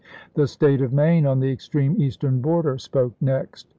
The State of Maine, on the extreme eastern border, spoke next.